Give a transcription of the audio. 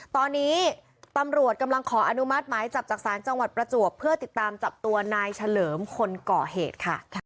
ตอนนี้ตำรวจกำลังขออนุมัติหมายจับจากศาลจังหวัดประจวบเพื่อติดตามจับตัวนายเฉลิมคนก่อเหตุค่ะ